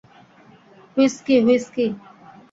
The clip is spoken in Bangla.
Whisky, whisky.